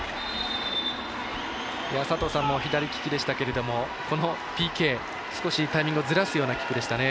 佐藤さんも左利きでしたがこのＰＫ少しタイミングずらすようなキックでしたね。